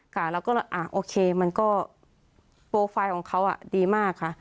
ค่ะเราก็เลยโอเคมันก็โปรไฟล์ของเขาดีมากค่ะ